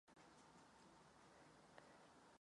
Ale já nejsem násilnou osobou od přírody.